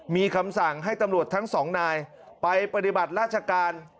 มีคำสั่งให้ตำรวจทั้งสองนายไปปฏิบัติราชการ